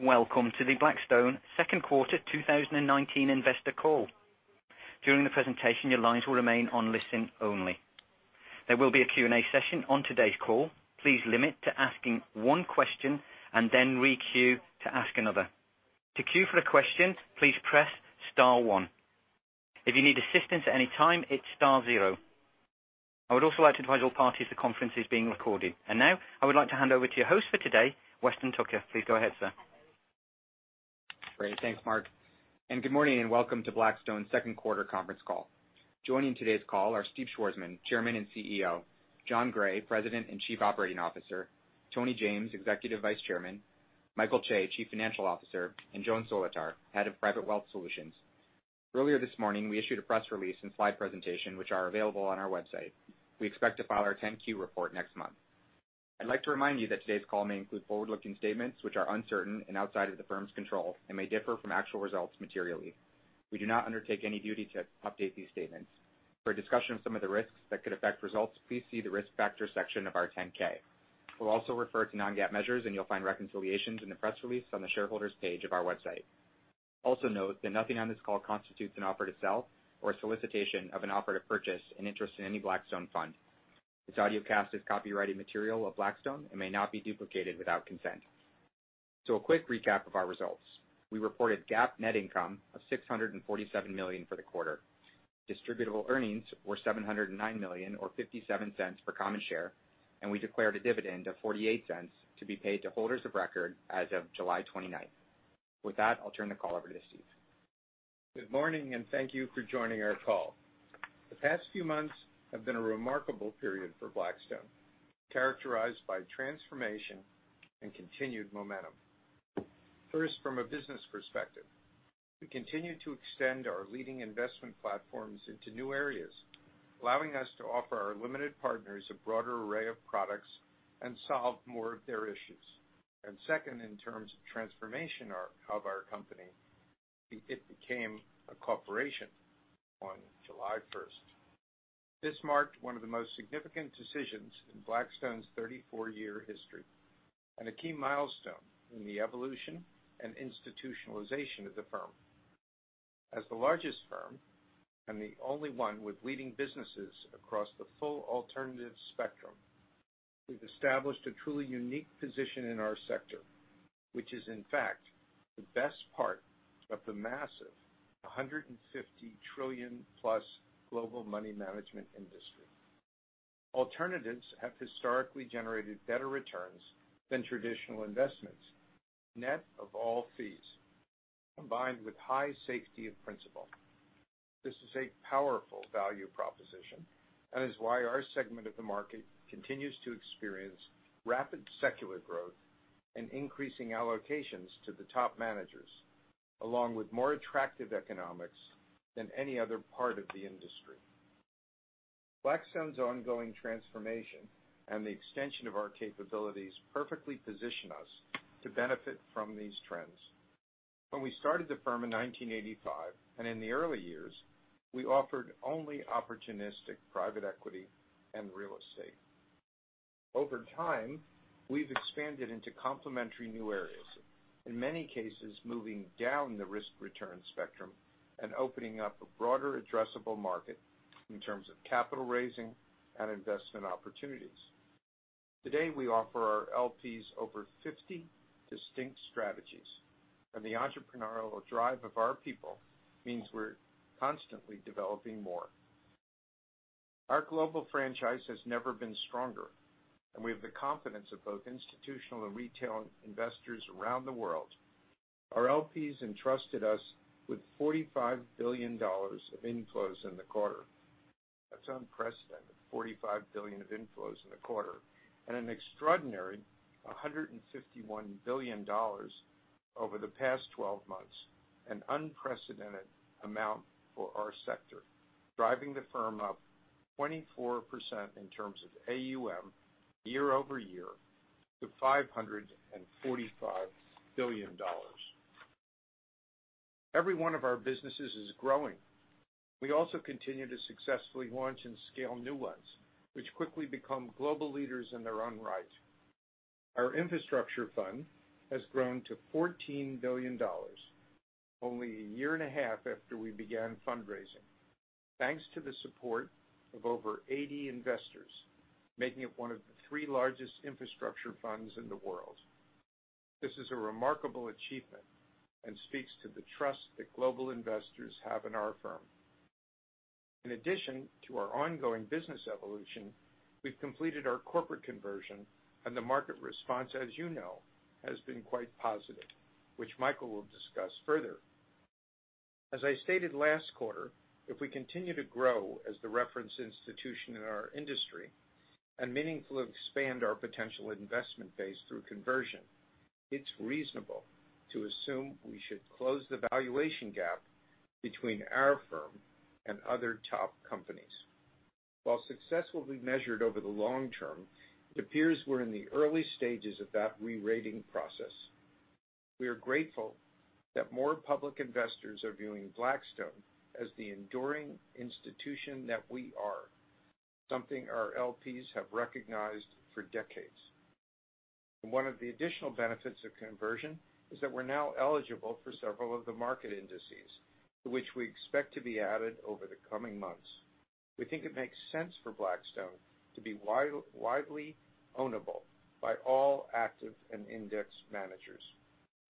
Welcome to the Blackstone second quarter 2019 investor call. During the presentation, your lines will remain on listen only. There will be a Q&A session on today's call. Please limit to asking one question, then re-queue to ask another. To queue for a question, please press star one. If you need assistance at any time, it's star zero. I would also like to advise all parties the conference is being recorded. Now I would like to hand over to your host for today, Weston Tucker. Please go ahead, sir. Great. Thanks, Mark. Good morning, and welcome to Blackstone's second quarter conference call. Joining today's call are Steve Schwarzman, Chairman and CEO, Jon Gray, President and Chief Operating Officer, Tony James, Executive Vice Chairman, Michael Chae, Chief Financial Officer, and Joan Solotar, Head of Private Wealth Solutions. Earlier this morning, we issued a press release and slide presentation, which are available on our website. We expect to file our 10-Q report next month. I'd like to remind you that today's call may include forward-looking statements which are uncertain and outside of the firm's control and may differ from actual results materially. We do not undertake any duty to update these statements. For a discussion of some of the risks that could affect results, please see the Risk Factor section of our 10-K. We'll also refer to non-GAAP measures, and you'll find reconciliations in the press release on the Shareholders page of our website. Also note that nothing on this call constitutes an offer to sell or a solicitation of an offer to purchase an interest in any Blackstone fund. This audiocast is copyrighted material of Blackstone and may not be duplicated without consent. A quick recap of our results. We reported GAAP net income of $647 million for the quarter. Distributable earnings were $709 million, or $0.57 per common share, and we declared a dividend of $0.48 to be paid to holders of record as of July 29th. With that, I'll turn the call over to Steve. Good morning, and thank you for joining our call. The past few months have been a remarkable period for Blackstone, characterized by transformation and continued momentum. First, from a business perspective, we continue to extend our leading investment platforms into new areas, allowing us to offer our limited partners a broader array of products and solve more of their issues. Second, in terms of transformation of our company, it became a corporation on July 1st. This marked one of the most significant decisions in Blackstone's 34-year history and a key milestone in the evolution and institutionalization of the firm. As the largest firm and the only one with leading businesses across the full alternative spectrum, we've established a truly unique position in our sector, which is in fact the best part of the massive $150 trillion-plus global money management industry. Alternatives have historically generated better returns than traditional investments, net of all fees, combined with high safety of principal. This is a powerful value proposition, and is why our segment of the market continues to experience rapid secular growth and increasing allocations to the top managers, along with more attractive economics than any other part of the industry. Blackstone's ongoing transformation and the extension of our capabilities perfectly position us to benefit from these trends. When we started the firm in 1985, and in the early years, we offered only opportunistic private equity and real estate. Over time, we've expanded into complementary new areas, in many cases moving down the risk return spectrum and opening up a broader addressable market in terms of capital raising and investment opportunities. Today, we offer our LPs over 50 distinct strategies, and the entrepreneurial drive of our people means we're constantly developing more. Our global franchise has never been stronger, and we have the confidence of both institutional and retail investors around the world. Our LPs entrusted us with $45 billion of inflows in the quarter. That's unprecedented, $45 billion of inflows in the quarter, and an extraordinary $151 billion over the past 12 months, an unprecedented amount for our sector, driving the firm up 24% in terms of AUM year-over-year to $545 billion. Every one of our businesses is growing. We also continue to successfully launch and scale new ones, which quickly become global leaders in their own right. Our infrastructure fund has grown to $14 billion only a year and a half after we began fundraising, thanks to the support of over 80 investors, making it one of the three largest infrastructure funds in the world. This is a remarkable achievement and speaks to the trust that global investors have in our firm. In addition to our ongoing business evolution, we've completed our corporate conversion, and the market response, as you know, has been quite positive, which Michael will discuss further. As I stated last quarter, if we continue to grow as the reference institution in our industry and meaningfully expand our potential investment base through conversion, it's reasonable to assume we should close the valuation gap between our firm and other top companies. While successfully measured over the long term, it appears we're in the early stages of that re-rating process. We are grateful that more public investors are viewing Blackstone as the enduring institution that we are. Something our LPs have recognized for decades. One of the additional benefits of conversion is that we're now eligible for several of the market indices, to which we expect to be added over the coming months. We think it makes sense for Blackstone to be widely ownable by all active and index managers.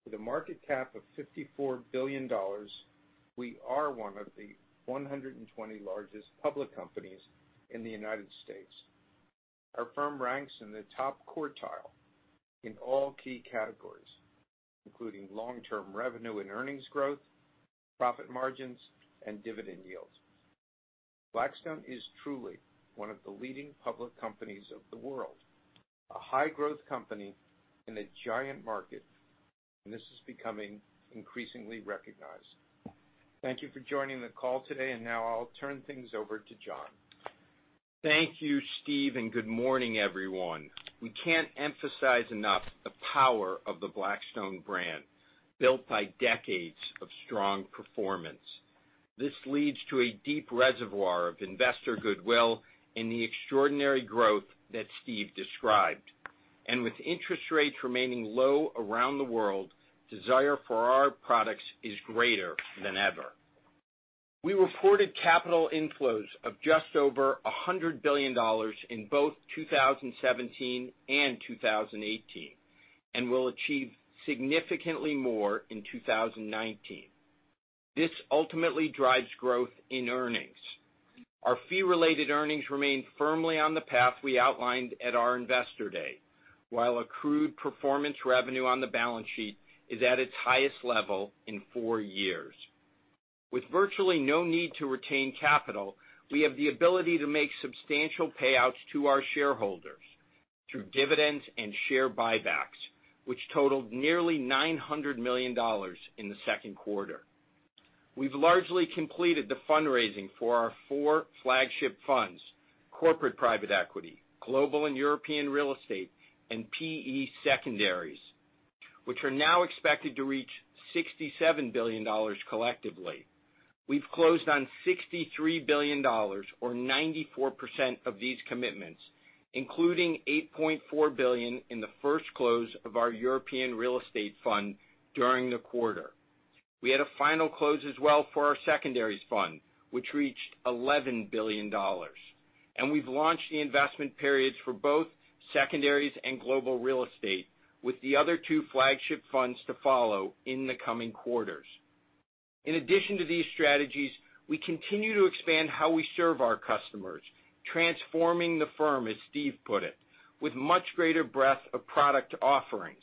With a market cap of $54 billion, we are one of the 120 largest public companies in the U.S. Our firm ranks in the top quartile in all key categories, including long-term revenue and earnings growth, profit margins, and dividend yields. Blackstone is truly one of the leading public companies of the world, a high-growth company in a giant market, and this is becoming increasingly recognized. Thank you for joining the call today, and now I'll turn things over to Jon. Thank you, Steve, good morning, everyone. We can't emphasize enough the power of the Blackstone brand, built by decades of strong performance. This leads to a deep reservoir of investor goodwill and the extraordinary growth that Steve described. With interest rates remaining low around the world, desire for our products is greater than ever. We reported capital inflows of just over $100 billion in both 2017 and 2018, will achieve significantly more in 2019. This ultimately drives growth in earnings. Our fee-related earnings remain firmly on the path we outlined at our investor day, while accrued performance revenue on the balance sheet is at its highest level in four years. With virtually no need to retain capital, we have the ability to make substantial payouts to our shareholders through dividends and share buybacks, which totaled nearly $900 million in the second quarter. We've largely completed the fundraising for our four flagship funds, corporate private equity, global and European Real Estate, and PE secondaries, which are now expected to reach $67 billion collectively. We've closed on $63 billion, or 94% of these commitments, including $8.4 billion in the first close of our European Real Estate Fund during the quarter. We had a final close as well for our secondaries fund, which reached $11 billion. We've launched the investment periods for both secondaries and global real estate, with the other two flagship funds to follow in the coming quarters. In addition to these strategies, we continue to expand how we serve our customers, transforming the firm, as Steve put it, with much greater breadth of product offerings.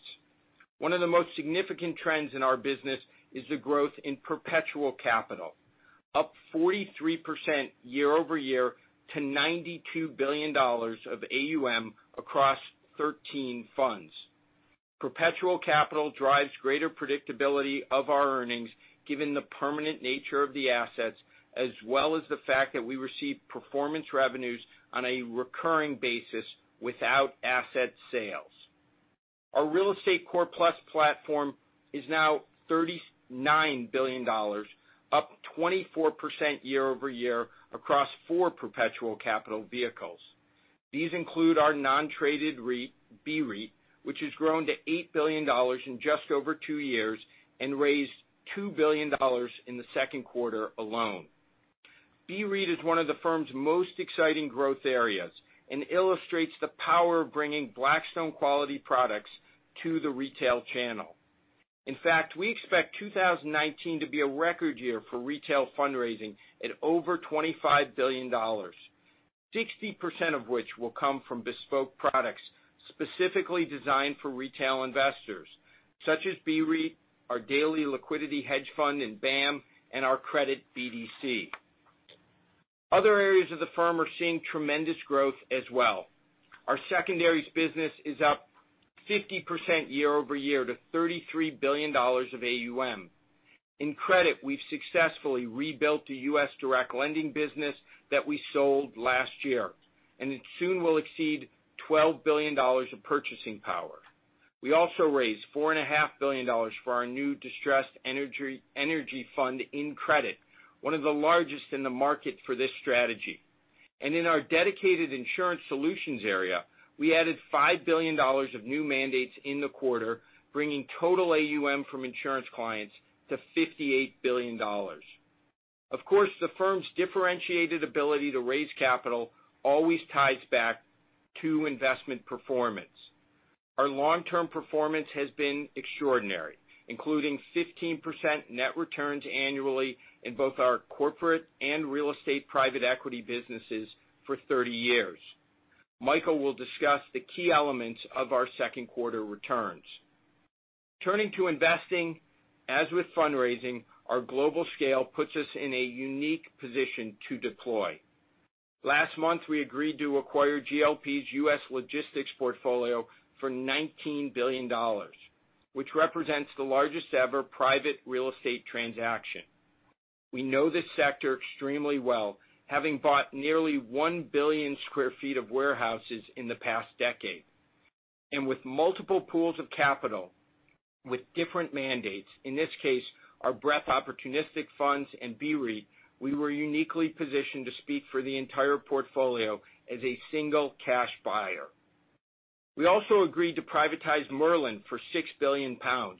One of the most significant trends in our business is the growth in perpetual capital, up 43% year-over-year to $92 billion of AUM across 13 funds. Perpetual capital drives greater predictability of our earnings, given the permanent nature of the assets, as well as the fact that we receive performance revenues on a recurring basis without asset sales. Our Real Estate Core+ platform is now $39 billion, up 24% year-over-year across four perpetual capital vehicles. These include our non-traded REIT, BREIT, which has grown to $8 billion in just over two years and raised $2 billion in the second quarter alone. BREIT is one of the firm's most exciting growth areas and illustrates the power of bringing Blackstone quality products to the retail channel. In fact, we expect 2019 to be a record year for retail fundraising at over $25 billion, 60% of which will come from bespoke products specifically designed for retail investors, such as BREIT, our daily liquidity hedge fund in BAAM, and our credit BDC. Other areas of the firm are seeing tremendous growth as well. Our secondaries business is up 50% year-over-year to $33 billion of AUM. In credit, we've successfully rebuilt the U.S. direct lending business that we sold last year, it soon will exceed $12 billion of purchasing power. We also raised $4.5 billion for our new distressed energy fund in credit, one of the largest in the market for this strategy. In our dedicated insurance solutions area, we added $5 billion of new mandates in the quarter, bringing total AUM from insurance clients to $58 billion. Of course, the firm's differentiated ability to raise capital always ties back to investment performance. Our long-term performance has been extraordinary, including 15% net returns annually in both our corporate and real estate private equity businesses for 30 years. Michael will discuss the key elements of our second quarter returns. Turning to investing, as with fundraising, our global scale puts us in a unique position to deploy. Last month, we agreed to acquire GLP's U.S. logistics portfolio for $19 billion, which represents the largest ever private real estate transaction. We know this sector extremely well, having bought nearly 1 billion sq ft of warehouses in the past decade. With multiple pools of capital, with different mandates, in this case, our breadth opportunistic funds and BREIT, we were uniquely positioned to speak for the entire portfolio as a single cash buyer. We also agreed to privatize Merlin for 6 billion pounds,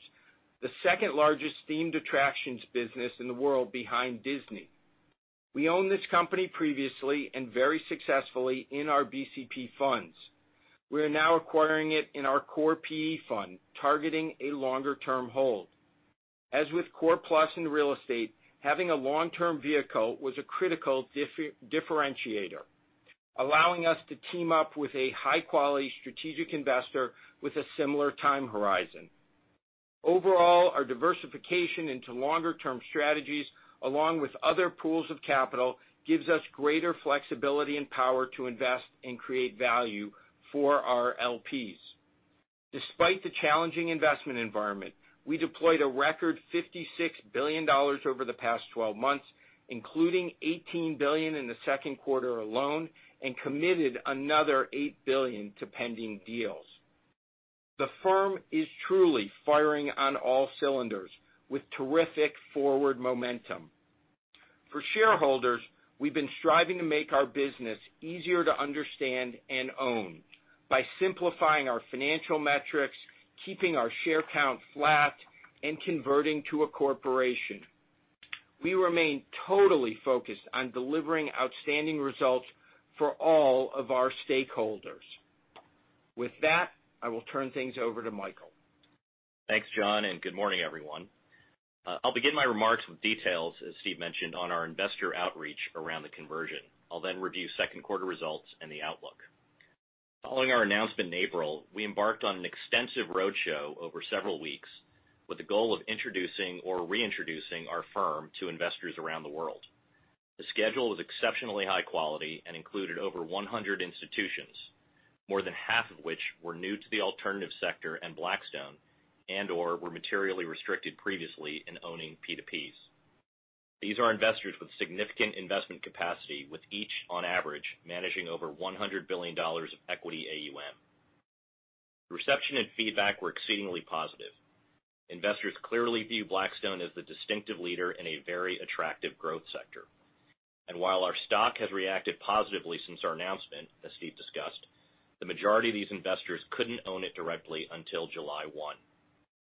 the second-largest themed attractions business in the world behind Disney. We owned this company previously and very successfully in our BCP funds. We are now acquiring it in our core PE fund, targeting a longer-term hold. As with Core+ and real estate, having a long-term vehicle was a critical differentiator, allowing us to team up with a high-quality strategic investor with a similar time horizon. Overall, our diversification into longer-term strategies, along with other pools of capital, gives us greater flexibility and power to invest and create value for our LPs. Despite the challenging investment environment, we deployed a record $56 billion over the past 12 months, including $18 billion in the second quarter alone, and committed another $8 billion to pending deals. The firm is truly firing on all cylinders with terrific forward momentum. For shareholders, we've been striving to make our business easier to understand and own by simplifying our financial metrics, keeping our share count flat, and converting to a corporation. We remain totally focused on delivering outstanding results for all of our stakeholders. With that, I will turn things over to Michael. Thanks, Jon, and good morning, everyone. I'll begin my remarks with details, as Steve mentioned, on our investor outreach around the conversion. I'll then review second quarter results and the outlook. Following our announcement in April, we embarked on an extensive roadshow over several weeks with the goal of introducing or reintroducing our firm to investors around the world. The schedule was exceptionally high quality and included over 100 institutions, more than half of which were new to the alternative sector and Blackstone, or were materially restricted previously in owning PTPs. These are investors with significant investment capacity, with each, on average, managing over $100 billion of equity AUM. The reception and feedback were exceedingly positive. Investors clearly view Blackstone as the distinctive leader in a very attractive growth sector. While our stock has reacted positively since our announcement, as Steve discussed, the majority of these investors couldn't own it directly until July 1.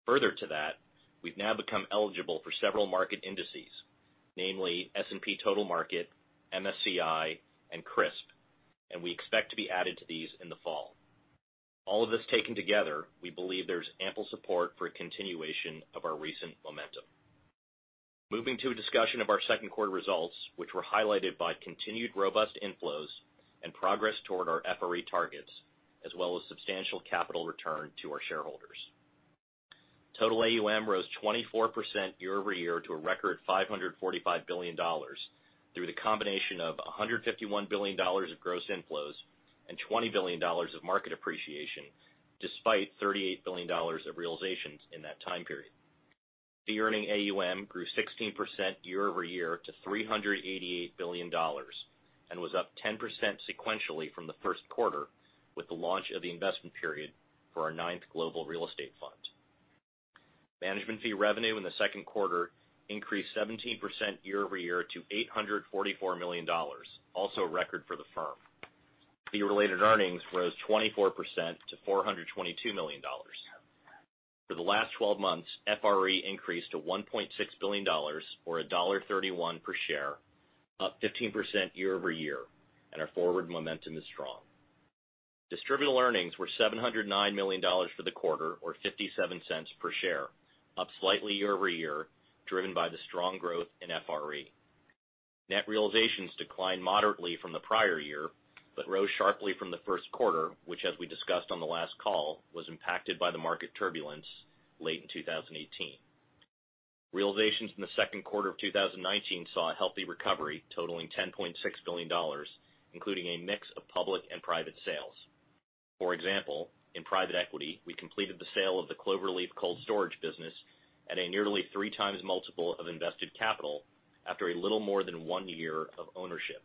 Further to that, we've now become eligible for several market indices, namely S&P Total Market, MSCI, and CRSP, and we expect to be added to these in the fall. All of this taken together, we believe there's ample support for a continuation of our recent momentum. Moving to a discussion of our second quarter results, which were highlighted by continued robust inflows and progress toward our FRE targets, as well as substantial capital return to our shareholders. Total AUM rose 24% year-over-year to a record $545 billion through the combination of $151 billion of gross inflows and $20 billion of market appreciation, despite $38 billion of realizations in that time period. Fee-paying AUM grew 16% year-over-year to $388 billion, and was up 10% sequentially from the first quarter, with the launch of the investment period for our ninth global real estate fund. Management fee revenue in the second quarter increased 17% year-over-year to $844 million, also a record for the firm. Fee-related earnings rose 24% to $422 million. For the last 12 months, FRE increased to $1.6 billion, or $1.31 per share, up 15% year-over-year, and our forward momentum is strong. Distributable earnings were $709 million for the quarter, or $0.57 per share, up slightly year-over-year, driven by the strong growth in FRE. Net realizations declined moderately from the prior year, but rose sharply from the first quarter, which, as we discussed on the last call, was impacted by the market turbulence late in 2018. Realizations in the second quarter of 2019 saw a healthy recovery totaling $10.6 billion, including a mix of public and private sales. For example, in private equity, we completed the sale of the Cloverleaf Cold Storage business at a nearly 3x multiple of invested capital after a little more than one year of ownership.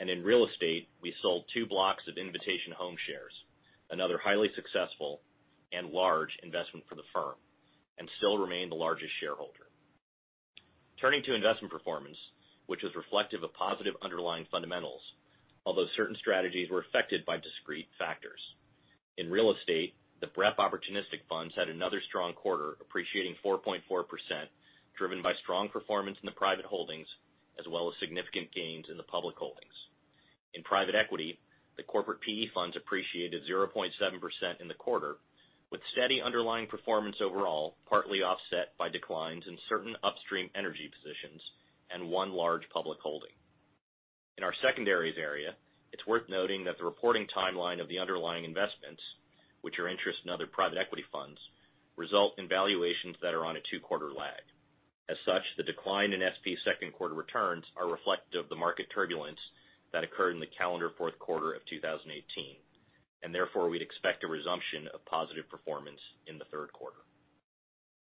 In real estate, we sold two blocks of Invitation Homes shares, another highly successful and large investment for the firm, and still remain the largest shareholder. Turning to investment performance, which was reflective of positive underlying fundamentals, although certain strategies were affected by discrete factors. In real estate, the BREP opportunistic funds had another strong quarter, appreciating 4.4%, driven by strong performance in the private holdings, as well as significant gains in the public holdings. In private equity, the corporate PE funds appreciated 0.7% in the quarter, with steady underlying performance overall, partly offset by declines in certain upstream energy positions and one large public holding. In our secondaries area, it's worth noting that the reporting timeline of the underlying investments, which are interest in other private equity funds, result in valuations that are on a two-quarter lag. As such, the decline in SP second quarter returns are reflective of the market turbulence that occurred in the calendar fourth quarter of 2018. Therefore, we'd expect a resumption of positive performance in the third quarter.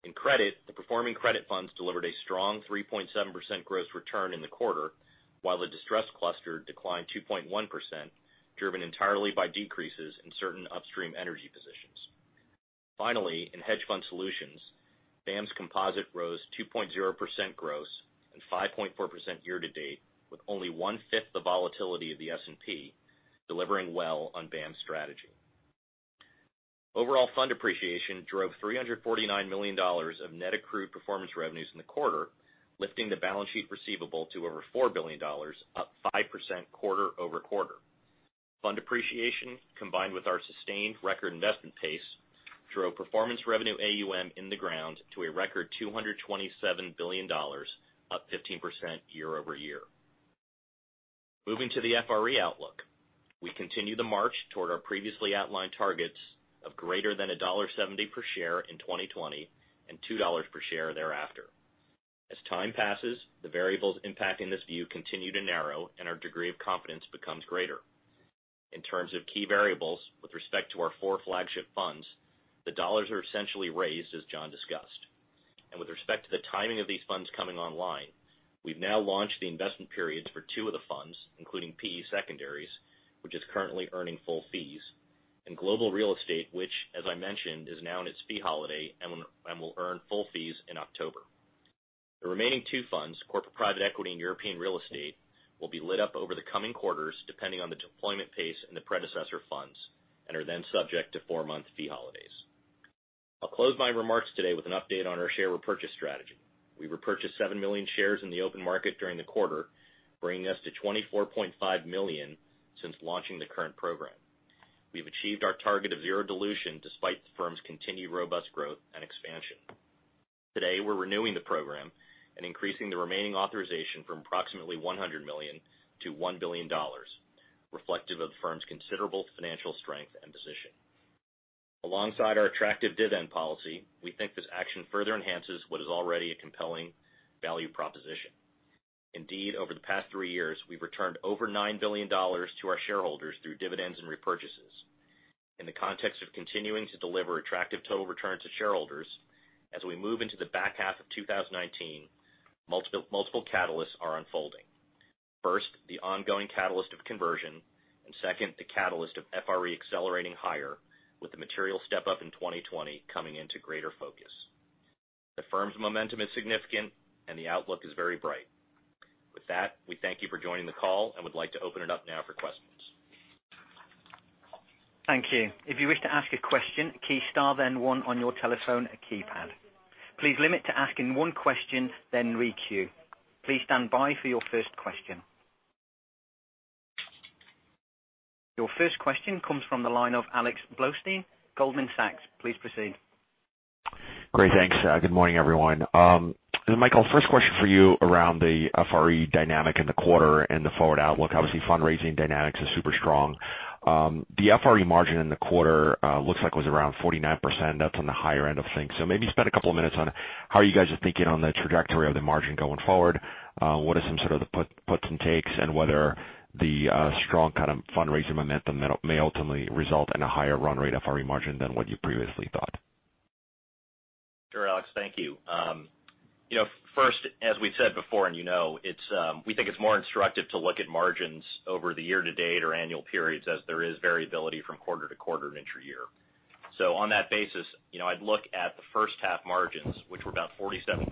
In credit, the performing credit funds delivered a strong 3.7% gross return in the quarter, while the distressed cluster declined 2.1%, driven entirely by decreases in certain upstream energy positions. Finally, in hedge fund solutions, BAAM's composite rose 2.0% gross and 5.4% year to date, with only one fifth the volatility of the S&P, delivering well on BAAM's strategy. Overall fund appreciation drove $349 million of net accrued performance revenues in the quarter, lifting the balance sheet receivable to over $4 billion, up 5% quarter-over-quarter. Fund appreciation, combined with our sustained record investment pace, drove performance revenue AUM in the ground to a record $227 billion, up 15% year-over-year. Moving to the FRE outlook. We continue the march toward our previously outlined targets of greater than $1.70 per share in 2020 and $2 per share thereafter. As time passes, the variables impacting this view continue to narrow and our degree of confidence becomes greater. In terms of key variables with respect to our four flagship funds, the dollars are essentially raised, as Jon discussed. With respect to the timing of these funds coming online, we've now launched the investment periods for two of the funds, including PE Secondaries, which is currently earning full fees, and Global Real Estate, which, as I mentioned, is now in its fee holiday and will earn full fees in October. The remaining two funds, Corporate Private Equity and European Real Estate, will be lit up over the coming quarters depending on the deployment pace and the predecessor funds, and are then subject to four-month fee holidays. I'll close my remarks today with an update on our share repurchase strategy. We repurchased 7 million shares in the open market during the quarter, bringing us to 24.5 million since launching the current program. We've achieved our target of zero dilution despite the firm's continued robust growth and expansion. Today, we're renewing the program and increasing the remaining authorization from approximately $100 million to $1 billion, reflective of the firm's considerable financial strength and position. Alongside our attractive dividend policy, we think this action further enhances what is already a compelling value proposition. Indeed, over the past three years, we've returned over $9 billion to our shareholders through dividends and repurchases. In the context of continuing to deliver attractive total returns to shareholders, as we move into the back half of 2019, multiple catalysts are unfolding. First, the ongoing catalyst of conversion. Second, the catalyst of FRE accelerating higher, with the material step up in 2020 coming into greater focus. The firm's momentum is significant, and the outlook is very bright. With that, we thank you for joining the call and would like to open it up now for questions. Thank you. If you wish to ask a question, key star then one on your telephone keypad. Please limit to asking one question, then re-queue. Please stand by for your first question. Your first question comes from the line of Alex Blostein, Goldman Sachs. Please proceed. Great. Thanks. Good morning, everyone. Michael, first question for you around the FRE dynamic in the quarter and the forward outlook. Obviously, fundraising dynamics is super strong. The FRE margin in the quarter looks like it was around 49%. That's on the higher end of things. Maybe spend a couple of minutes on how you guys are thinking on the trajectory of the margin going forward, what are some sort of the puts and takes, and whether the strong kind of fundraising momentum may ultimately result in a higher run rate of FRE margin than what you previously thought? Sure, Alex. Thank you. First, as we've said before and you know, we think it's more instructive to look at margins over the year to date or annual periods as there is variability from quarter to quarter and intra-year. On that basis, I'd look at the first half margins, which were about 47%,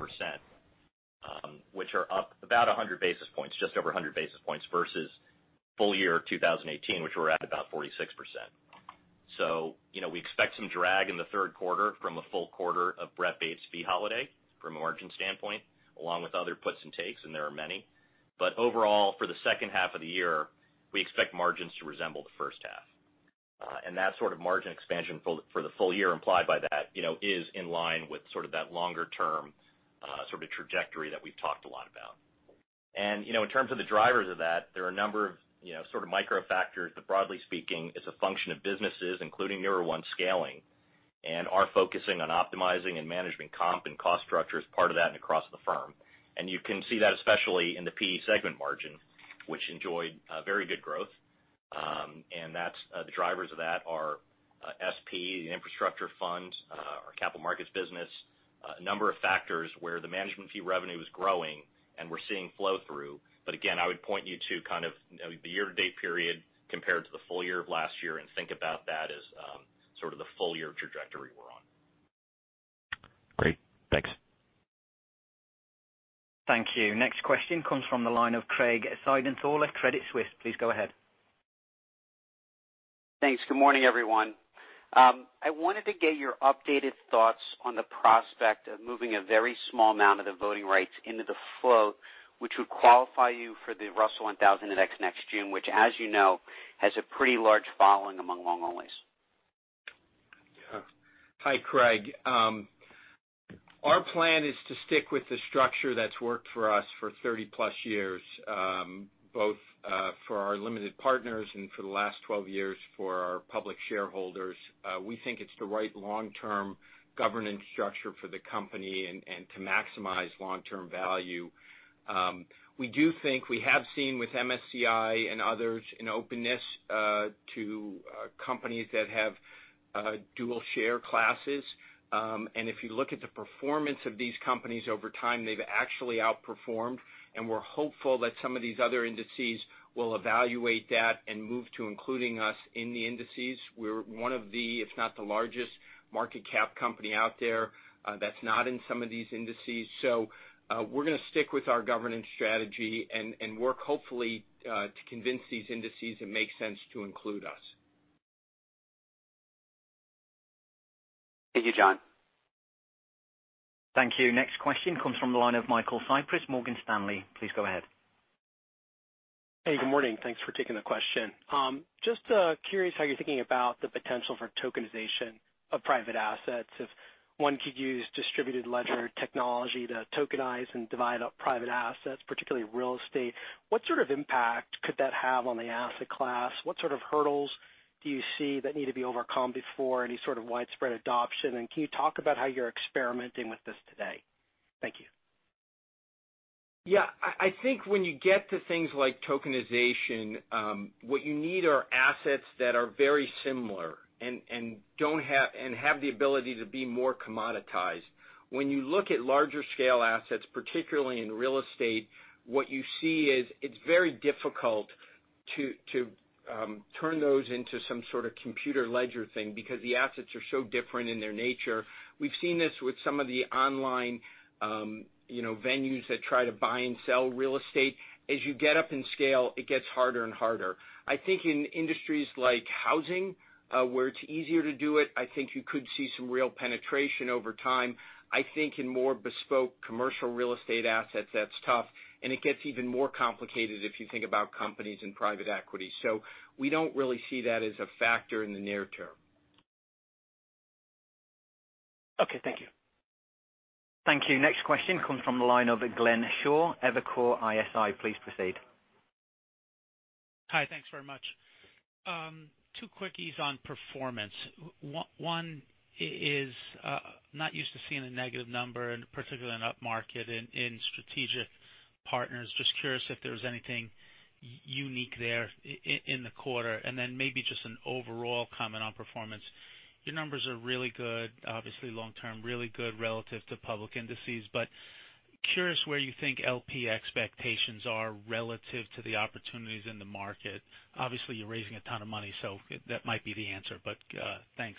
which are up about 100 basis points, just over 100 basis points, versus full year 2018, which were at about 46%. We expect some drag in the third quarter from a full quarter of BREP 8's' fee holiday from a margin standpoint, along with other puts and takes, and there are many. Overall, for the second half of the year, we expect margins to resemble the first half. That sort of margin expansion for the full year implied by that is in line with sort of that longer term sort of trajectory that we've talked a lot about. In terms of the drivers of that, there are a number of sort of micro factors, but broadly speaking, it's a function of businesses, including Newer One scaling, and our focusing on optimizing and management comp and cost structure as part of that and across the firm. You can see that especially in the PE segment margin, which enjoyed very good growth. The drivers of that are SP, the infrastructure fund, our capital markets business, a number of factors where the management fee revenue is growing and we're seeing flow-through. Again, I would point you to kind of the year-to-date period compared to the full year of last year and think about that as sort of the full year trajectory we're on. Great. Thanks. Thank you. Next question comes from the line of Craig Siegenthaler, Credit Suisse. Please go ahead. Thanks. Good morning, everyone. I wanted to get your updated thoughts on the prospect of moving a very small amount of the voting rights into the float, which would qualify you for the Russell 1000 index next June, which, as you know, has a pretty large following among long-onlys. Yeah. Hi, Craig. Our plan is to stick with the structure that's worked for us for 30-plus years, both for our limited partners and for the last 12 years for our public shareholders. We think it's the right long-term governance structure for the company and to maximize long-term value. We do think we have seen with MSCI and others an openness to companies that have -dual share classes. If you look at the performance of these companies over time, they've actually outperformed, and we're hopeful that some of these other indices will evaluate that and move to including us in the indices. We're one of the, if not the largest, market cap company out there that's not in some of these indices. We're going to stick with our governance strategy and work hopefully to convince these indices it makes sense to include us. Thank you, Jon. Thank you. Next question comes from the line of Michael Cyprys, Morgan Stanley. Please go ahead. Hey, good morning. Thanks for taking the question. Just curious how you're thinking about the potential for tokenization of private assets. If one could use distributed ledger technology to tokenize and divide up private assets, particularly real estate, what sort of impact could that have on the asset class? What sort of hurdles do you see that need to be overcome before any sort of widespread adoption? Can you talk about how you're experimenting with this today? Thank you. Yeah. I think when you get to things like tokenization, what you need are assets that are very similar and have the ability to be more commoditized. When you look at larger scale assets, particularly in real estate, what you see is it's very difficult to turn those into some sort of computer ledger thing because the assets are so different in their nature. We've seen this with some of the online venues that try to buy and sell real estate. As you get up in scale, it gets harder and harder. I think in industries like housing, where it's easier to do it, I think you could see some real penetration over time. I think in more bespoke commercial real estate assets, that's tough, and it gets even more complicated if you think about companies and private equity. We don't really see that as a factor in the near term. Okay, thank you. Thank you. Next question comes from the line of Glenn Schorr, Evercore ISI. Please proceed. Hi. Thanks very much. Two quickies on performance. One is, not used to seeing a negative number in particularly an upmarket in Strategic Partners. Just curious if there was anything unique there in the quarter, maybe just an overall comment on performance. Your numbers are really good, obviously long-term, really good relative to public indices. Curious where you think LP expectations are relative to the opportunities in the market. Obviously, you're raising a ton of money, that might be the answer, but thanks.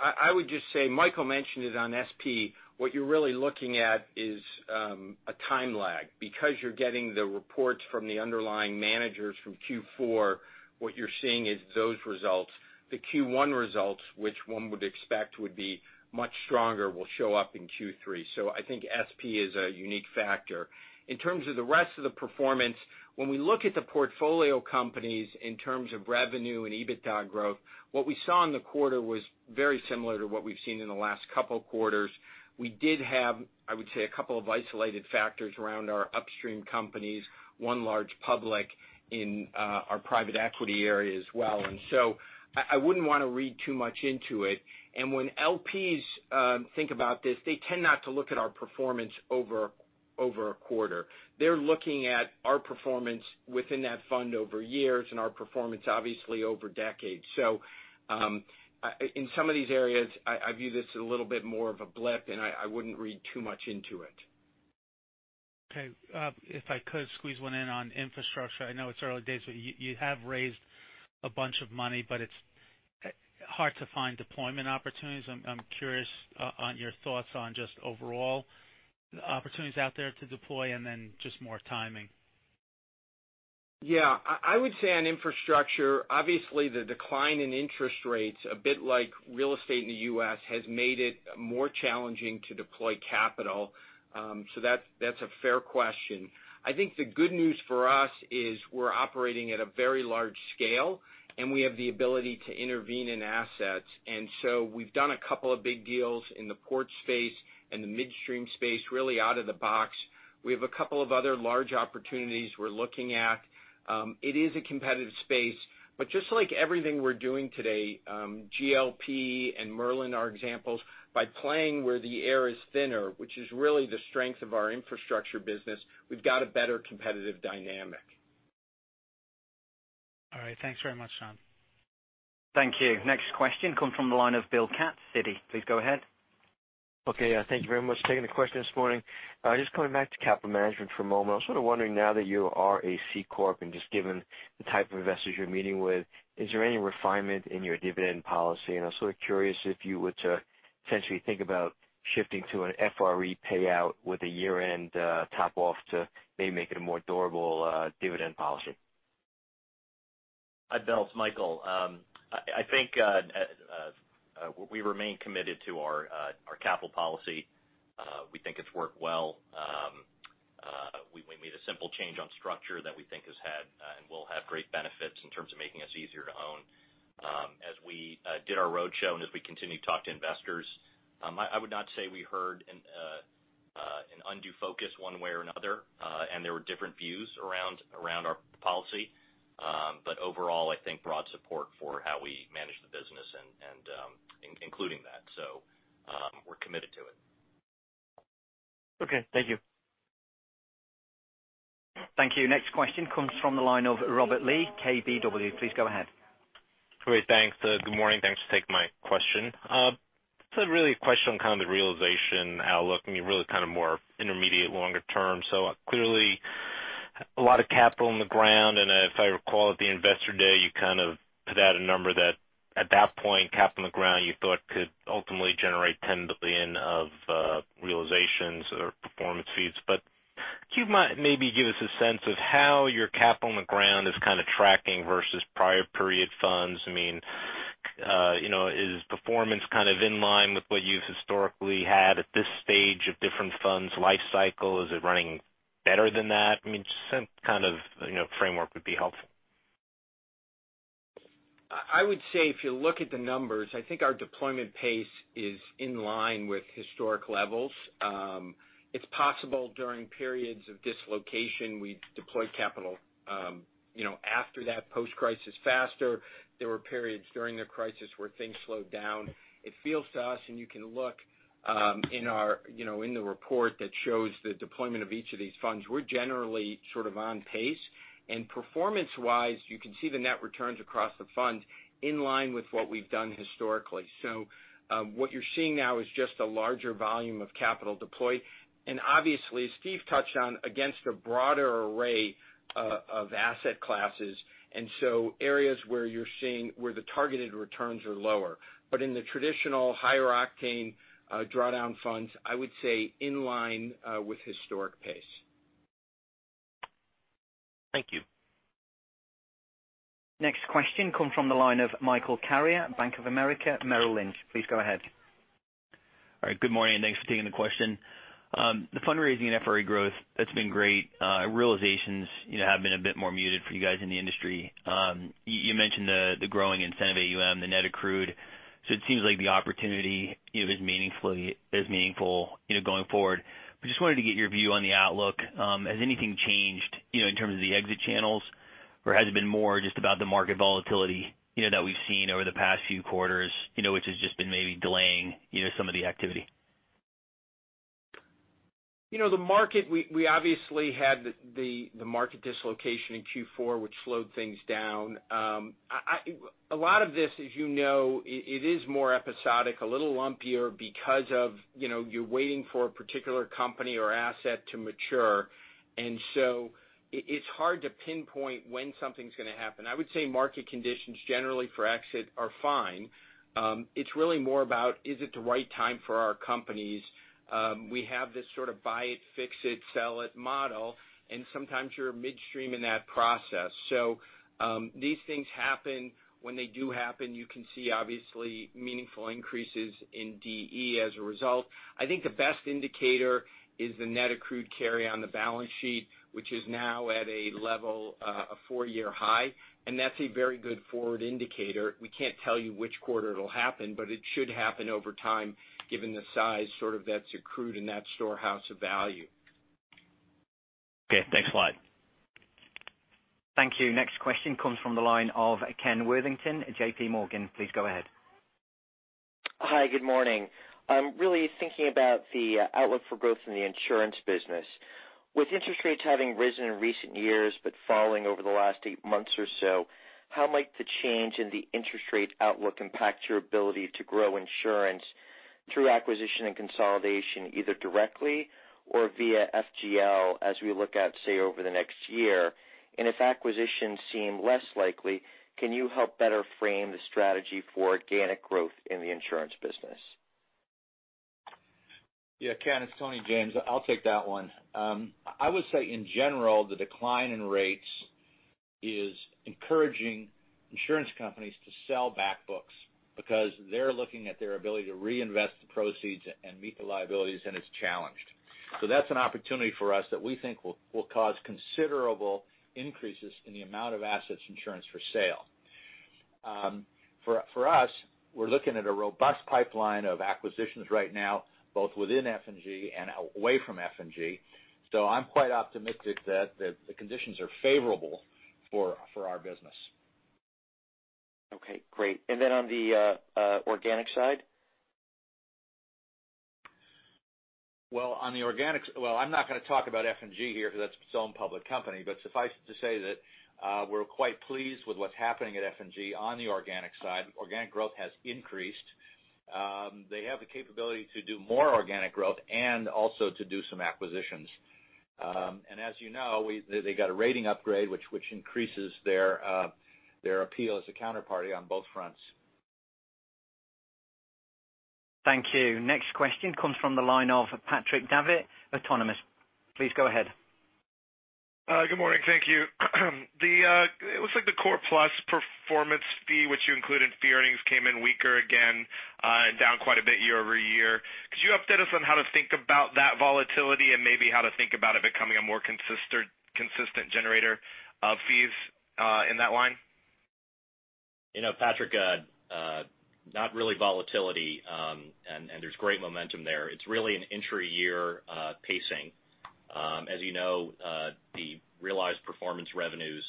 I would just say, Michael mentioned it on SP. What you're really looking at is a time lag. Because you're getting the reports from the underlying managers from Q4, what you're seeing is those results. The Q1 results, which one would expect would be much stronger, will show up in Q3. I think SP is a unique factor. In terms of the rest of the performance, when we look at the portfolio companies in terms of revenue and EBITDA growth, what we saw in the quarter was very similar to what we've seen in the last couple of quarters. We did have, I would say, a couple of isolated factors around our upstream companies, one large public in our private equity area as well. I wouldn't want to read too much into it. When LPs think about this, they tend not to look at our performance over a quarter. They're looking at our performance within that fund over years and our performance, obviously, over decades. In some of these areas, I view this a little bit more of a blip, and I wouldn't read too much into it. Okay. If I could squeeze one in on infrastructure. I know it's early days, but you have raised a bunch of money, but it's hard to find deployment opportunities. I'm curious on your thoughts on just overall opportunities out there to deploy just more timing. I would say on infrastructure, obviously the decline in interest rates, a bit like real estate in the U.S., has made it more challenging to deploy capital. That's a fair question. I think the good news for us is we're operating at a very large scale, and we have the ability to intervene in assets. We've done a couple of big deals in the port space and the midstream space, really out of the box. We have a couple of other large opportunities we're looking at. It is a competitive space, but just like everything we're doing today, GLP and Merlin are examples. By playing where the air is thinner, which is really the strength of our infrastructure business, we've got a better competitive dynamic. All right. Thanks very much, Jon. Thank you. Next question comes from the line of Bill Katz, Citi. Please go ahead. Thank you very much for taking the question this morning. Just coming back to capital management for a moment. I was sort of wondering now that you are a C corp and just given the type of investors you're meeting with, is there any refinement in your dividend policy? I was sort of curious if you were to essentially think about shifting to an FRE payout with a year-end top off to maybe make it a more durable dividend policy. Bill, it's Michael. I think we remain committed to our capital policy. We think it's worked well. We made a simple change on structure that we think has had and will have great benefits in terms of making us easier to own. As we did our roadshow and as we continue to talk to investors, I would not say we heard an undue focus one way or another, and there were different views around our policy. Overall, I think broad support for how we manage the business and including that. We're committed to it. Okay. Thank you. Thank you. Next question comes from the line of Robert Lee, KBW, please go ahead. Great. Thanks. Good morning. Thanks for taking my question. It's really a question on the realization outlook, really more intermediate longer term. Clearly a lot of capital on the ground, and if I recall at the investor day, you put out a number that at that point, capital on the ground you thought could ultimately generate $10 billion of realizations or performance fees. Could you maybe give us a sense of how your capital on the ground is tracking versus prior period funds? Is performance in line with what you've historically had at this stage of different funds' life cycle? Is it running better than that? Just some kind of framework would be helpful. I would say if you look at the numbers, I think our deployment pace is in line with historic levels. It's possible during periods of dislocation, we deploy capital after that post-crisis faster. There were periods during the crisis where things slowed down. It feels to us, and you can look in the report that shows the deployment of each of these funds, we're generally on pace. Performance-wise, you can see the net returns across the funds in line with what we've done historically. What you're seeing now is just a larger volume of capital deployed. Obviously, Steve touched on against a broader array of asset classes, and so areas where the targeted returns are lower. In the traditional higher octane drawdown funds, I would say in line with historic pace. Thank you. Next question comes from the line of Michael Carrier, Bank of America, Merrill Lynch. Please go ahead. All right. Good morning, and thanks for taking the question. The fundraising and FRE growth, that's been great. Realizations have been a bit more muted for you guys in the industry. You mentioned the growing incentive AUM, the net accrued. It seems like the opportunity is as meaningful going forward. Just wanted to get your view on the outlook. Has anything changed, in terms of the exit channels, or has it been more just about the market volatility that we've seen over the past few quarters, which has just been maybe delaying some of the activity? We obviously had the market dislocation in Q4, which slowed things down. A lot of this, as you know, it is more episodic, a little lumpier because of you're waiting for a particular company or asset to mature. It's hard to pinpoint when something's going to happen. I would say market conditions generally for exit are fine. It's really more about, is it the right time for our companies? We have this sort of buy it, fix it, sell it model, and sometimes you're midstream in that process. These things happen. When they do happen, you can see, obviously, meaningful increases in DE as a result. I think the best indicator is the net accrued carry on the balance sheet, which is now at a level, a four-year high, and that's a very good forward indicator. We can't tell you which quarter it'll happen, it should happen over time given the size that's accrued in that storehouse of value. Okay. Thanks a lot. Thank you. Next question comes from the line of Ken Worthington, JP Morgan. Please go ahead. Hi. Good morning. I'm really thinking about the outlook for growth in the insurance business. With interest rates having risen in recent years but falling over the last eight months or so, how might the change in the interest rate outlook impact your ability to grow insurance through acquisition and consolidation, either directly or via FGL as we look at, say, over the next year? If acquisitions seem less likely, can you help better frame the strategy for organic growth in the insurance business? Yeah, Ken, it's Tony James. I'll take that one. I would say in general, the decline in rates is encouraging insurance companies to sell back books because they're looking at their ability to reinvest the proceeds and meet the liabilities, and it's challenged. That's an opportunity for us that we think will cause considerable increases in the amount of assets insurance for sale. For us, we're looking at a robust pipeline of acquisitions right now, both within F&G and away from F&G. I'm quite optimistic that the conditions are favorable for our business. Okay, great. On the organic side? Well, I'm not going to talk about F&G here because that's its own public company. Suffice it to say that we're quite pleased with what's happening at F&G on the organic side. Organic growth has increased. They have the capability to do more organic growth and also to do some acquisitions. As you know, they got a rating upgrade, which increases their appeal as a counterparty on both fronts. Thank you. Next question comes from the line of Patrick Davitt, Autonomous. Please go ahead. Good morning. Thank you. It looks like the Core Plus performance fee, which you include in fee earnings, came in weaker again, and down quite a bit year-over-year. Could you update us on how to think about that volatility and maybe how to think about it becoming a more consistent generator of fees in that line? Patrick, not really volatility, there's great momentum there. It's really an intra-year pacing. As you know, the realized performance revenues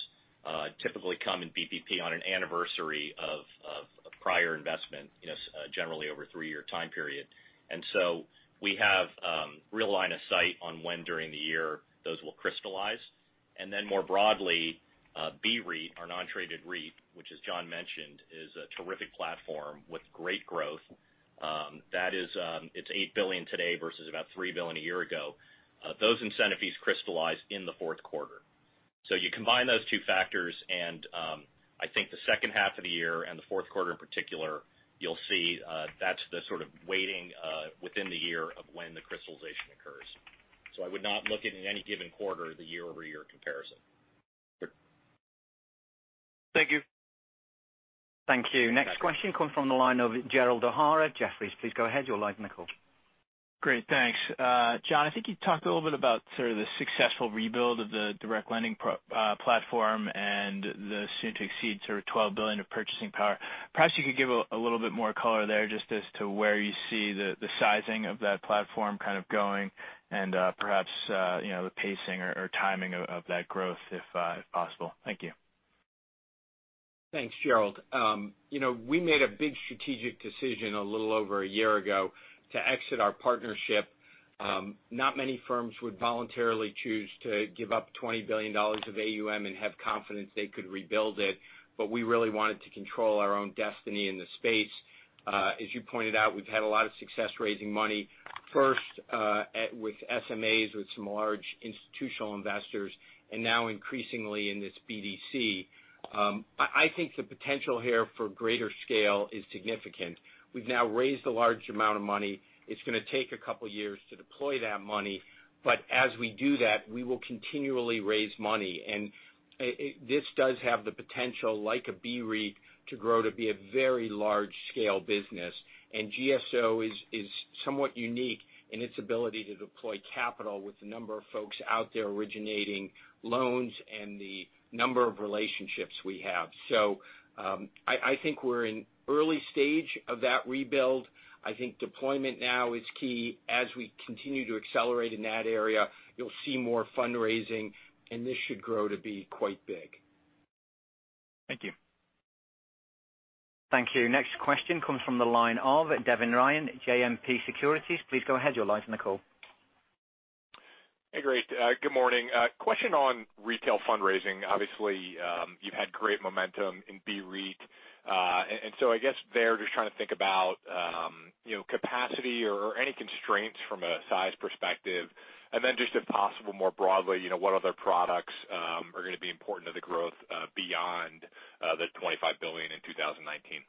typically come in BPP on an anniversary of a prior investment, generally over a three-year time period. We have real line of sight on when, during the year, those will crystallize. Then more broadly, BREIT, our non-traded REIT, which as Jon mentioned, is a terrific platform with great growth. It's $8 billion today versus about $3 billion a year ago. Those incentive fees crystallize in the fourth quarter. You combine those two factors, I think the second half of the year and the fourth quarter in particular, you'll see that's the sort of weighting within the year of when the crystallization occurs. I would not look at it in any given quarter, the year-over-year comparison. Thank you. Thank you. Next question comes from the line of Gerald O'Hara, Jefferies. Please go ahead, you're live in the call. Great, thanks. Jon, I think you talked a little bit about sort of the successful rebuild of the direct lending platform and the soon to exceed sort of $12 billion of purchasing power. Perhaps you could give a little bit more color there just as to where you see the sizing of that platform kind of going and perhaps the pacing or timing of that growth if possible. Thank you. Thanks, Gerald. We made a big strategic decision a little over a year ago to exit our partnership. Not many firms would voluntarily choose to give up $20 billion of AUM and have confidence they could rebuild it, but we really wanted to control our own destiny in the space. As you pointed out, we've had a lot of success raising money, first with SMAs, with some large institutional investors, and now increasingly in this BDC. I think the potential here for greater scale is significant. We've now raised a large amount of money. It's going to take a couple of years to deploy that money, but as we do that, we will continually raise money. This does have the potential, like a BREIT, to grow to be a very large-scale business. GSO is somewhat unique in its ability to deploy capital with the number of folks out there originating loans and the number of relationships we have. I think we're in early stage of that rebuild. I think deployment now is key. As we continue to accelerate in that area, you'll see more fundraising, and this should grow to be quite big. Thank you. Thank you. Next question comes from the line of Devin Ryan, JMP Securities. Please go ahead, you're live in the call. Hey, great. Good morning. A question on retail fundraising. Obviously, you've had great momentum in BREIT. I guess there just trying to think about capacity or any constraints from a size perspective. Just if possible, more broadly, what other products are going to be important to the growth beyond the $25 billion in 2019?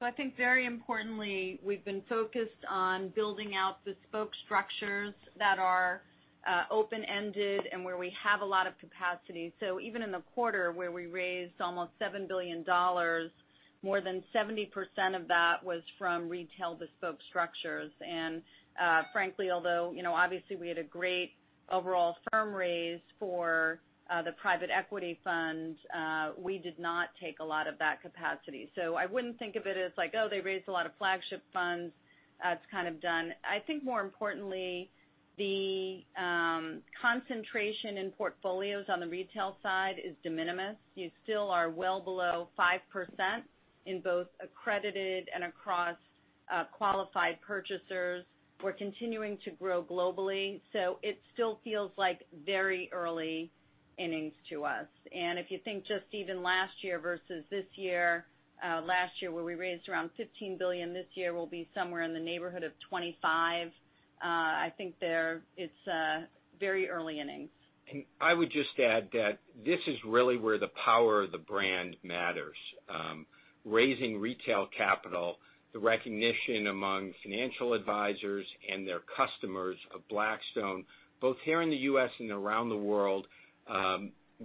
I think very importantly, we've been focused on building out bespoke structures that are open-ended and where we have a lot of capacity. Even in the quarter where we raised almost $7 billion, more than 70% of that was from retail bespoke structures. Frankly, although obviously we had a great overall firm raise for the private equity fund, we did not take a lot of that capacity. I wouldn't think of it as like, oh, they raised a lot of flagship funds. It's kind of done. I think more importantly, the concentration in portfolios on the retail side is de minimis. You still are well below 5% in both accredited and across qualified purchasers. We're continuing to grow globally. It still feels like very early innings to us. If you think just even last year versus this year. Last year where we raised around $15 billion, this year we'll be somewhere in the neighborhood of $25 billion. I think it's very early innings. I would just add that this is really where the power of the brand matters. Raising retail capital, the recognition among financial advisors and their customers of Blackstone, both here in the U.S. and around the world,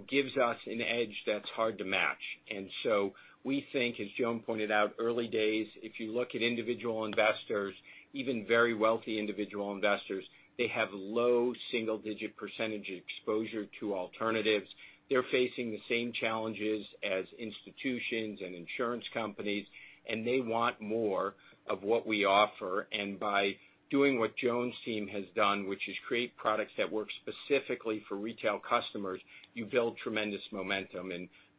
gives us an edge that's hard to match. We think, as Joan pointed out, early days. If you look at individual investors, even very wealthy individual investors, they have low single-digit % exposure to alternatives. They're facing the same challenges as institutions and insurance companies, they want more of what we offer. By doing what Joan's team has done, which is create products that work specifically for retail customers, you build tremendous momentum.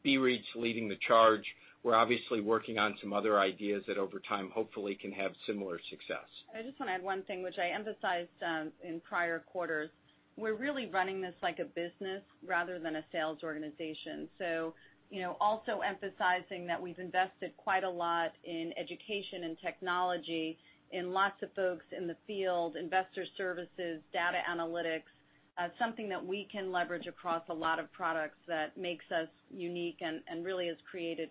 BREIT's leading the charge. We're obviously working on some other ideas that over time, hopefully can have similar success. I just want to add one thing, which I emphasized in prior quarters. We're really running this like a business rather than a sales organization. Also emphasizing that we've invested quite a lot in education and technology, in lots of folks in the field, investor services, data analytics, something that we can leverage across a lot of products that makes us unique and really has created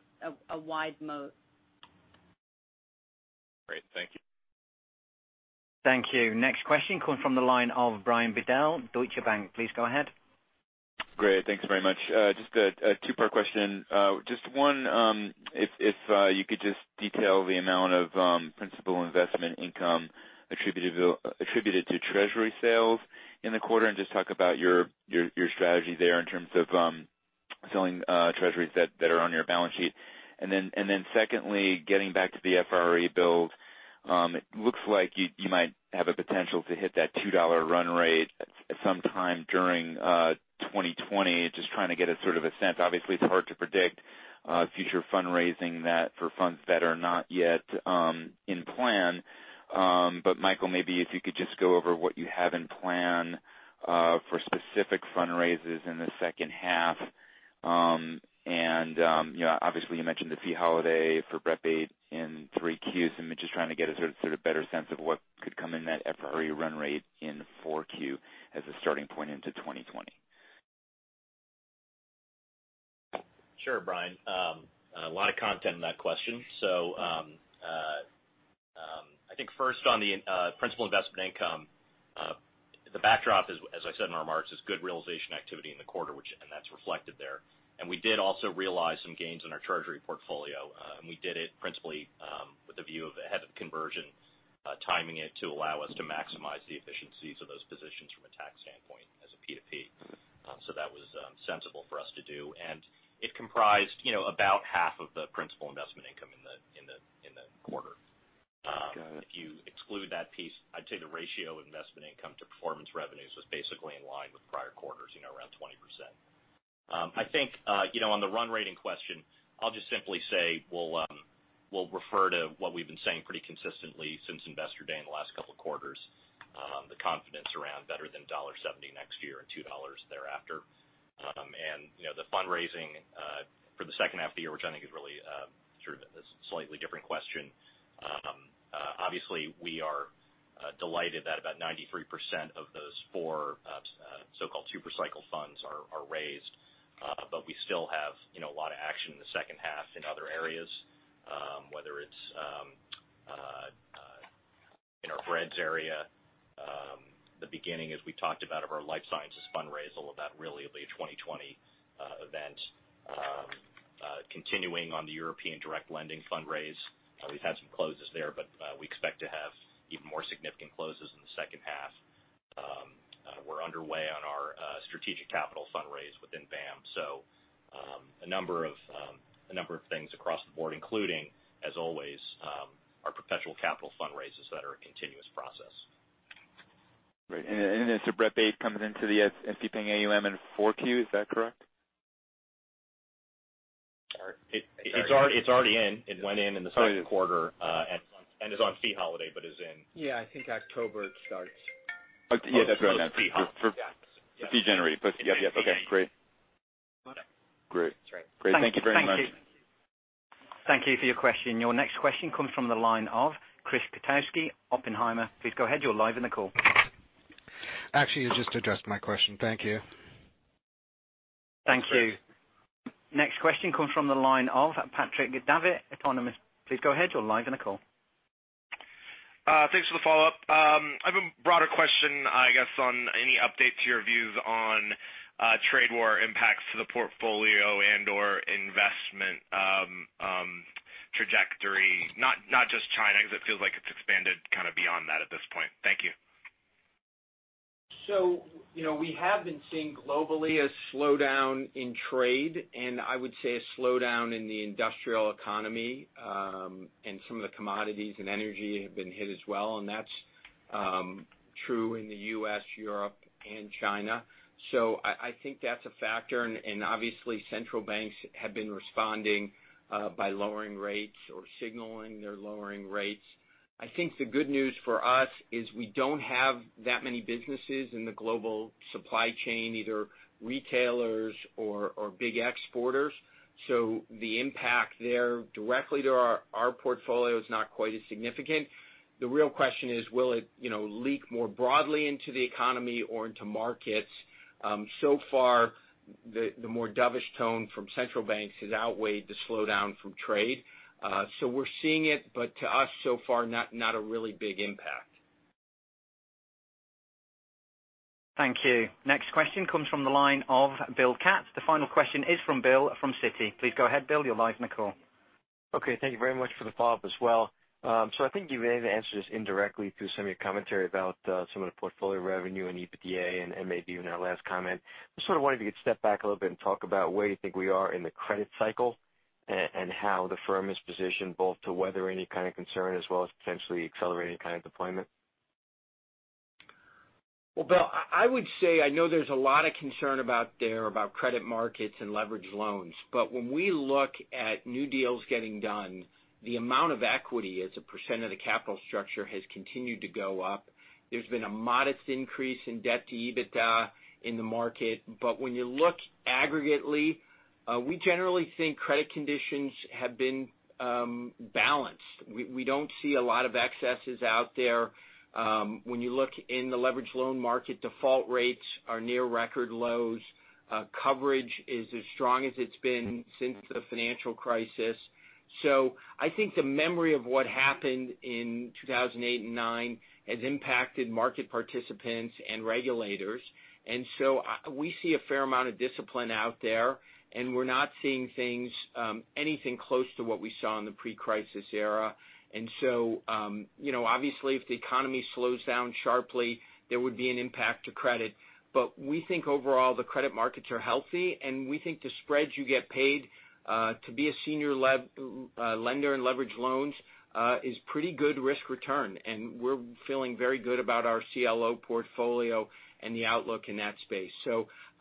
a wide moat. Great. Thank you. Thank you. Next question coming from the line of Brian Bedell, Deutsche Bank. Please go ahead. Great. Thanks very much. Just a two-part question. Just one, if you could just detail the amount of principal investment income attributed to Treasury sales in the quarter, and just talk about your strategy there in terms of selling Treasuries that are on your balance sheet. Secondly, getting back to the FRE build, it looks like you might have a potential to hit that $2 run rate at some time during 2020. Just trying to get a sort of a sense. Obviously, it's hard to predict future fundraising that for funds that are not yet in plan. Michael, maybe if you could just go over what you have in plan for specific fundraisers in the second half. Obviously you mentioned the fee holiday for BREP VIII in three Qs, and just trying to get a sort of better sense of what could come in that FRE run rate in four Q as a starting point into 2020. Sure. Brian. A lot of content in that question. First on the principal investment income, the backdrop as I said in our marks, is good realization activity in the quarter, and that's reflected there. We did also realize some gains in our Treasury portfolio, and we did it principally, with the view of ahead of conversion, timing it to allow us to maximize the efficiencies of those positions from a tax standpoint as a PTP. That was sensible for us to do. It comprised about half of the principal investment income in the quarter. Got it. If you exclude that piece, I'd say the ratio of investment income to performance revenues was basically in line with prior quarters, around 20%. I think on the run rating question, I'll just simply say we'll refer to what we've been saying pretty consistently since Investor Day in the last couple of quarters. The confidence around better than $1.70 next year and $2 thereafter. The fundraising for the second half of the year, which I think is really sort of a slightly different question. Obviously, we are delighted that about 93% of those four so-called super cycle funds are raised. We still have a lot of action in the second half in other areas, whether it's in our BREIT's area. The beginning, as we talked about of our life sciences fundraise, all of that really will be a 2020 event. Continuing on the European direct lending fundraise. We've had some closes there, we expect to have even more significant closes in the second half. We're underway on our strategic capital fundraise within BAAM. A number of things across the board, including as always, our perpetual capital fundraises that are a continuous process. Great. Is the BREP base coming into the fee-paying AUM in four Q, is that correct? It's already in. It went in in the second quarter, and is on fee holiday, but is in. Yeah, I think October it starts. Yeah, that's what I meant. For fee generate. Yes. Okay, great. That's right. Great. Thank you very much. Thank you. Thank you for your question. Your next question comes from the line of Chris Kotowski, Oppenheimer. Please go ahead. You're live on the call. Actually, you just addressed my question. Thank you. Thank you. Next question comes from the line of Patrick Davitt, Autonomous. Please go ahead. You're live on the call. Thanks for the follow-up. I have a broader question, I guess on any update to your views on trade war impacts to the portfolio and/or investment trajectory, not just China, because it feels like it's expanded kind of beyond that at this point. Thank you. We have been seeing globally a slowdown in trade, and I would say a slowdown in the industrial economy. Some of the commodities and energy have been hit as well, and that's true in the U.S., Europe and China. I think that's a factor. Obviously central banks have been responding by lowering rates or signaling they're lowering rates. I think the good news for us is we don't have that many businesses in the global supply chain, either retailers or big exporters. The impact there directly to our portfolio is not quite as significant. The real question is will it leak more broadly into the economy or into markets? So far, the more dovish tone from central banks has outweighed the slowdown from trade. We're seeing it, but to us so far, not a really big impact. Thank you. Next question comes from the line of Bill Katz. The final question is from Bill from Citi. Please go ahead, Bill. You're live on the call. Okay. Thank you very much for the follow-up as well. I think you may have answered this indirectly through some of your commentary about some of the portfolio revenue and EBITDA and maybe even our last comment. Just sort of wanted to step back a little bit and talk about where you think we are in the credit cycle and how the firm is positioned both to weather any kind of concern as well as potentially accelerating kind of deployment. Well, Bill, I would say I know there's a lot of concern about there about credit markets and leverage loans, when we look at new deals getting done, the amount of equity as a percent of the capital structure has continued to go up. There's been a modest increase in debt to EBITDA in the market. When you look aggregately, we generally think credit conditions have been balanced. We don't see a lot of excesses out there. When you look in the leverage loan market, default rates are near record lows. Coverage is as strong as it's been since the financial crisis. I think the memory of what happened in 2008 and '09 has impacted market participants and regulators. We see a fair amount of discipline out there, and we're not seeing things, anything close to what we saw in the pre-crisis era. Obviously if the economy slows down sharply, there would be an impact to credit. We think overall the credit markets are healthy, and we think the spreads you get paid to be a senior lender in leverage loans is pretty good risk return. We're feeling very good about our CLO portfolio and the outlook in that space.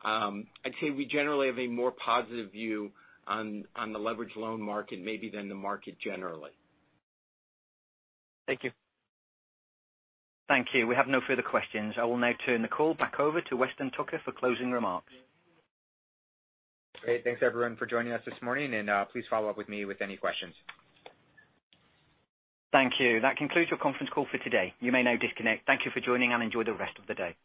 I'd say we generally have a more positive view on the leverage loan market maybe than the market generally. Thank you. Thank you. We have no further questions. I will now turn the call back over to Weston Tucker for closing remarks. Great. Thanks everyone for joining us this morning, and please follow up with me with any questions. Thank you. That concludes your conference call for today. You may now disconnect. Thank you for joining, and enjoy the rest of the day.